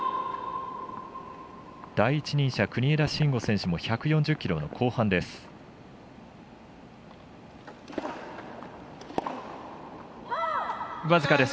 第一人者、国枝慎吾選手も１４０キロの後半です。